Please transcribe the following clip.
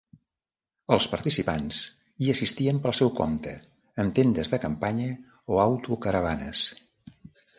Els participants hi assistien pel seu compte amb tendes de campanya o autocaravanes.